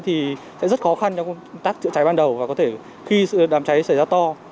thì sẽ rất khó khăn trong công tác chữa cháy ban đầu và có thể khi đàm cháy xảy ra to